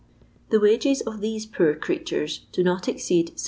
The wages of these poor creatures do not exceed 7«.